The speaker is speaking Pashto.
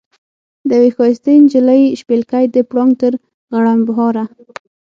د یوې ښایستې نجلۍ شپېلکی د پړانګ تر غړمبهاره.